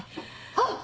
あっ！